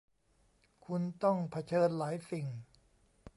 คุณต้องเผชิญหลายสิ่ง